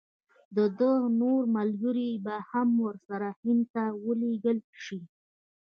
د ده نور ملګري به هم ورسره هند ته ولېږل شي.